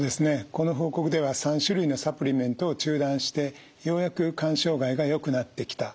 この報告では３種類のサプリメントを中断してようやく肝障害がよくなってきたということのようです。